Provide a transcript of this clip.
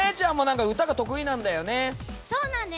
そうなんです。